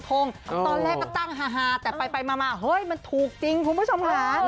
ตอนแรกก็ตั้งฮาแต่ไปมาเฮ้ยมันถูกจริงคุณผู้ชมค่ะ